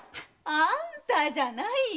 あんたじゃないよ！